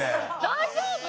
大丈夫？